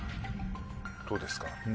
どうですか？